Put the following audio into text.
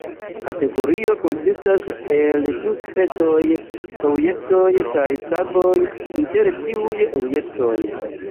Kategorio konsistas el du specoj: "objektoj" kaj "sagoj" inter tiuj objektoj.